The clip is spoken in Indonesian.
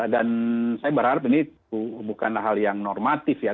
dan saya berharap ini bukanlah hal yang normatif ya